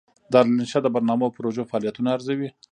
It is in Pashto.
دارالانشا د برنامو او پروژو فعالیتونه ارزوي.